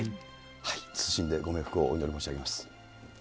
謹んでご冥福をお祈り申し上げます。